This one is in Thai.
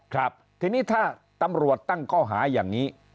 ครับทีนี้ถ้าตำรวจตั้งข้อหาอย่างนี้